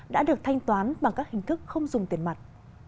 đã được thanh toán bằng các hình thức không dùng tiền mặt